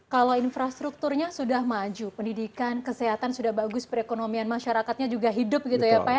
kalau infrastrukturnya sudah maju pendidikan kesehatan sudah bagus perekonomian masyarakatnya juga hidup gitu ya pak ya